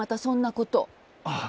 ああ。